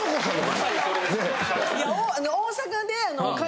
まさにそれですね。